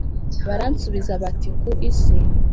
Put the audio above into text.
Baransubiza bati ku isi